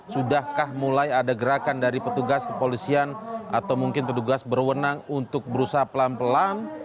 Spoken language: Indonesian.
sudahkah mulai ada gerakan dari petugas kepolisian atau mungkin petugas berwenang untuk berusaha pelan pelan